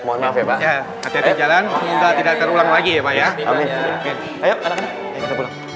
mohon maaf ya pak ya ada di jalan minta tidak terulang lagi ya pak ya amin ya ayo kita pulang